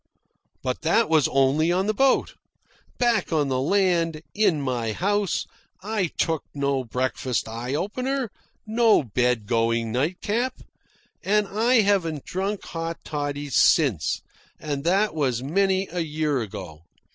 But that was only on the boat. Back on the land, in my house, I took no before breakfast eye opener, no bed going nightcap. And I haven't drunk hot toddies since, and that was many a year ago.